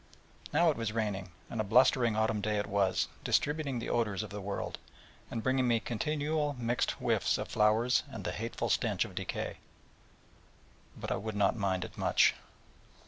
Now it was raining, and a blustering autumn day it was, distributing the odours of the world, and bringing me continual mixed whiffs of flowers and the hateful stench of decay. But I would not mind it much.